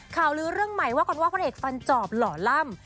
ลื้อเรื่องใหม่ว่ากันว่าพระเอกฟันจอบหล่อล่ำ